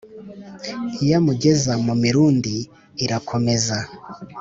Iyamugeza mu mirundi irakomeza